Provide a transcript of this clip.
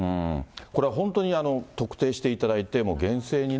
これは本当に特定していただいて、厳正にね。